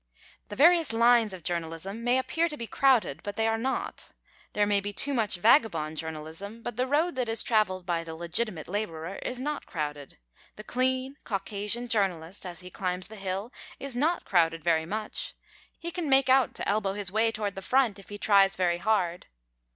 The various lines of journalism may appear to be crowded, but they are not. There may be too much vagabond journalism, but the road that is traveled by the legitimate laborer is not crowded. The clean, Caucasian journalist, as he climbs the hill, is not crowded very much. He can make out to elbow his way toward the front, if he tries very hard.